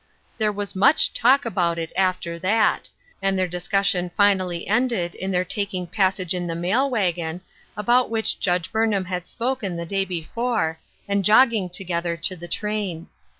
There was much talk about it after that, and the discussion finally ended in their taking pas A Sister Needed, 813 sage in the mail wagon, about which Judge Burn ham had spoken the day before, and jogging together to the train.